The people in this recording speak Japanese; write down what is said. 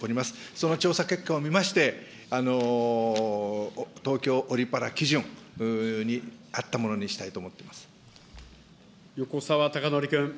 その調査結果を見まして、東京オリパラ基準に合ったものにしたい横沢高徳君。